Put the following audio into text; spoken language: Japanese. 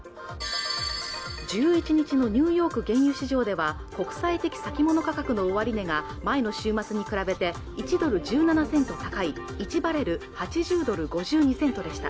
１１日のニューヨーク原油市場では国際的先物価格の終値が前の週末に比べて１ドル１７セント高い１バレル８０ドル５２セントでした